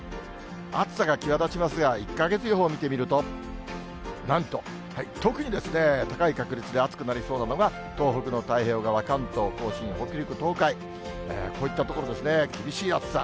暑さが際立ちますが、１か月予報見てみると、なんと、特にですね、高い確率で暑くなりそうなのが、東北の太平洋側、関東甲信、北陸、東海、こういった所ですね、厳しい暑さ。